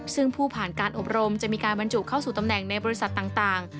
ซึ่งผู้ผ่านการอบรมจะมีการบรรจุเข้าสู่ตำแหน่งในบริษัทต่าง